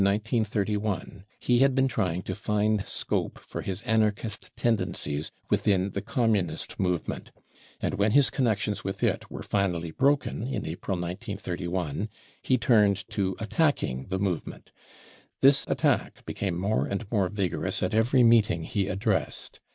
r ■, 00 BROWN BOOK OF THE HITLER TERROR f trying to tod scope for his anarchist tendencies within the f Communist movement ; and when his connections with it , were finally broken in April 1931, he turned to attacking the movement. This attack became more and more vigor ous at every meeting he addressed.